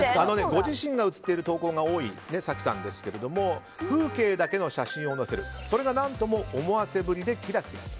ご自身が写っている投稿が多い早紀さんですけども風景だけの写真を載せるそれが何とも思わせぶりでキラキラ。